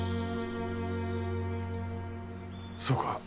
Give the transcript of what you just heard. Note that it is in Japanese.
そうか。